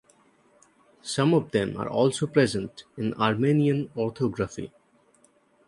Some of them are also present in Armenian orthography.